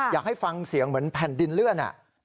อยากให้ฟังเสียงเหมือนแผ่นดินเลื่อน